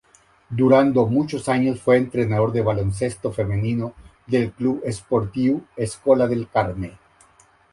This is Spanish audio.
Durando muchos años fue entrenador de baloncesto femenino del Club Esportiu Escola del Carme.